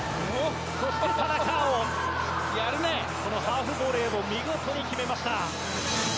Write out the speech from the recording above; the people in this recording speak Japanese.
そして、田中碧がハーフボレーを見事に決めました。